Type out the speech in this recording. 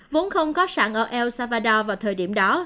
vốn không có sẵn ở el salvador vào thời điểm đó